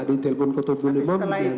di telpon ketubul imam